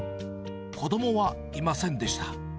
子どもはいませんでした。